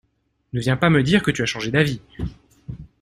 Ne viens pas me dire que tu as changé d'avis.